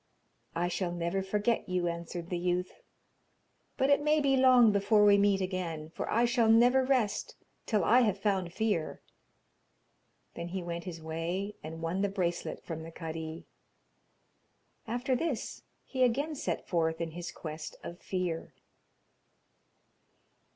'I shall never forget you,' answered the youth, 'but it may be long before we meet again, for I shall never rest till I have found fear.' Then he went his way, and won the bracelet from the kadi. After this, he again set forth in his quest of fear.